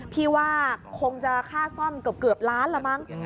พี่ว่าคงจะค่าซ่อมเกือบล้านละมั้ง